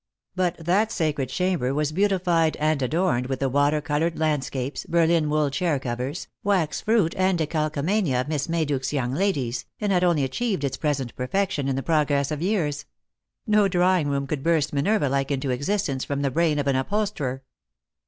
But that sacred chamber was beautified and adorned with the water coloured B 18 Lost for Love. landscapes, Berlin wool chair covers, wax fruit and decalcomani« of Miss Mayduko's young ladies, and had only achieved its present perfection in the progress of years. No drawing room could burst Minerva like into existence from the brain of an upholsterer.